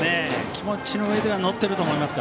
気持ちのうえでは乗っていると思います。